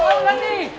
sampai jumpa lagi